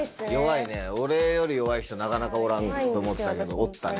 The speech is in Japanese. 俺より弱い人、なかなかおらんと思ったけど、おったね。